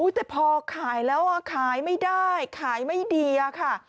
แต่พอขายแล้วขายไม่ได้ขายไม่ดีค่ะ